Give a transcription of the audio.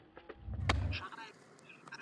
له یو بل زده کړئ.